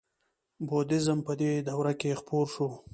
بودیزم په دې دوره کې خپور شو